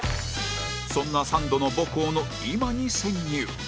そんなサンドの母校の今に潜入